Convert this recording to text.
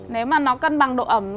nếu mà nó cân bằng độ ẩm